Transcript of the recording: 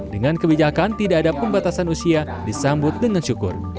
dengan kebijakan tidak ada pembatasan usia disambut dengan syukur